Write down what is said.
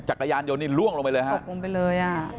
จักรยานยนต์นี่ล่วงลงไปเลยฮะตกลงไปเลยอ่ะ